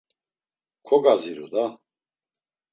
Kogaziru da!